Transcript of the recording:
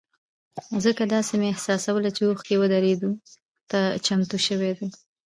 ځکه داسې مې احساسوله چې اوښکې ورېدو ته چمتو شوې دي.